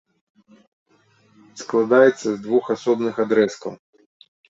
Складаецца з двух асобных адрэзкаў.